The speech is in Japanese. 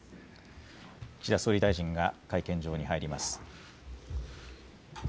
岸田総理大臣が会見場に入ります。